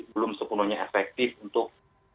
belum sepenuhnya efektif untuk